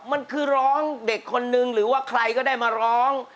มันคือร้องเด็กคนนึงหรือว่าใครก็ได้มาร้อง